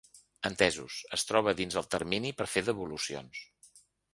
Entesos, es troba dins els termini per fer devolucions.